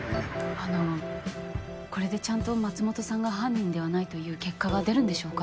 あのこれでちゃんと松本さんが犯人ではないという結果が出るんでしょうか？